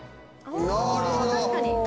なるほど。